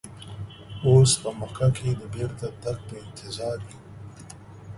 اوس په مکه کې د بیرته تګ په انتظار یو.